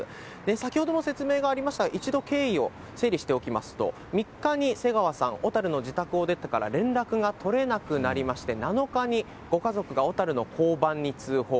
先ほども説明がありました、一度、経緯を整理しておきますと、３日に瀬川さん、小樽の自宅を出てから連絡が取れなくなりまして、７日にご家族が小樽の交番に通報。